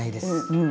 うん。